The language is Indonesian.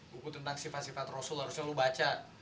buku tentang sifat sifat rasul harusnya lu baca